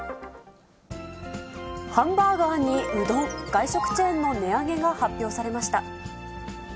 ハンバーガーにうどん、外食チェーンの値上げが発表されました。